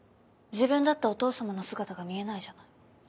自分だってお父さまの姿が見えないじゃない